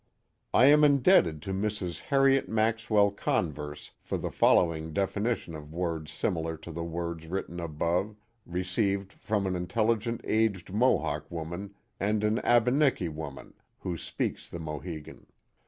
I am indebted to Mrs. Harriet Maxwell Con verse for the following definition of words similar to the words written above, received from an intelligent aged Mohawk woman and an Abeniki woman, who speaks the Mohican.